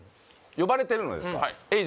呼ばれてるのですか？